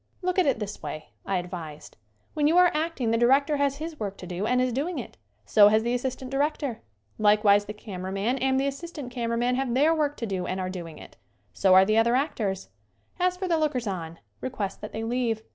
"Look at it this way," I advised. "When you are acting the director has his work to do and is doing it. So has the assistant director. Likewise the cameraman and the assistant cam eraman have their work to do and are doing it. So are the other actors. As for the lookers on, request that they leave.